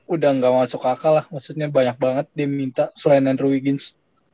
udah gak masuk akal lah maksudnya banyak banget dia minta selain andrew wiggins